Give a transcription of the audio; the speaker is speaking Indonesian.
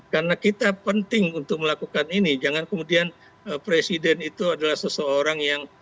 karena kita penting untuk melakukan ini jangan kemudian presiden itu adalah seseorang yang